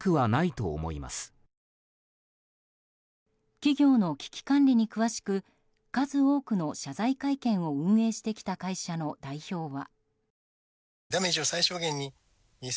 企業の危機管理に詳しく数多くの謝罪会見を運営してきた会社の代表は。